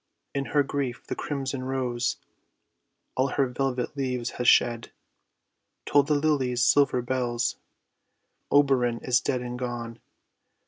In her grief the crimson rose All her velvet leaves has shed. Toll the lilies' silver bells! Oberon is dead and gone!